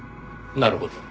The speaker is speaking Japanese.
なるほど。